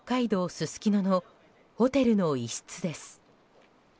すすきののホテルの一室です。